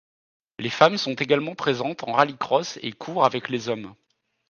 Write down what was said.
Les femmes sont également présentes en rallycross et courent avec les hommes.